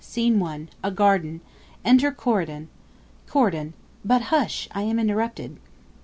SCENE I. A Garden. Enter CORYDON. Corydon. But hush: I am interrupted.